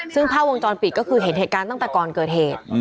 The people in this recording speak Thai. ซึ่งภาพวงจรปิดก็คือเห็นเหตุการณ์ตั้งแต่ก่อนเกิดเหตุ